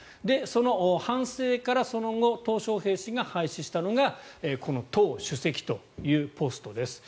その反省から、その後トウ・ショウヘイ氏が廃止したのがこの党主席というポストです。